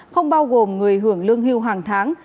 không bao gồm người hưởng lương hưu hàng tháng